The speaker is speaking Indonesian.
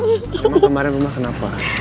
kemarin rumah kenapa